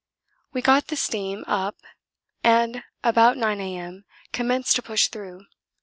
We got the steam up and about 9 A.M. commenced to push through.